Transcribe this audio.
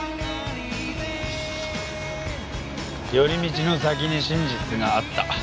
寄り道の先に真実があった。